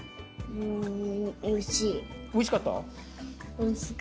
うんおいしかった？